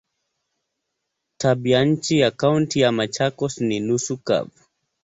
Tabianchi ya Kaunti ya Machakos ni nusu kavu.